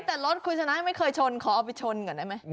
แต่รถคุณชนะไม่เคยชนขอเอาไปชนก่อนได้ไหม